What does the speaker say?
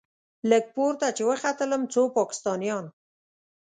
لږ پورته چې وختلم څو پاکستانيان.